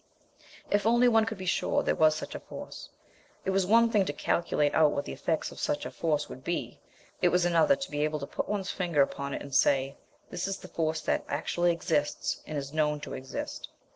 If only one could be sure there was such a force! It was one thing to calculate out what the effects of such a force would be: it was another to be able to put one's finger upon it and say, this is the force that actually exists and is known to exist.